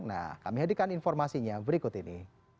nah kami hadirkan informasinya berikut ini